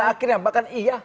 pada akhirnya bahkan iya